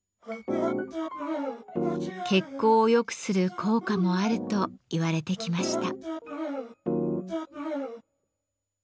血行を良くする効果もあると言われてきました。